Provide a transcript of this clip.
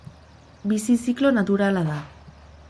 Bizi ziklo naturala da.